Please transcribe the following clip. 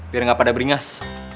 biar nggak pada beringas